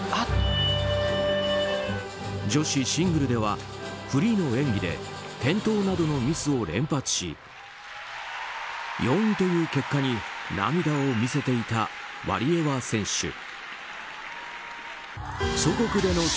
女子シングルではフリーの演技で転倒などのミスを連発し４位という結果に涙を見せていたワリエワ選手。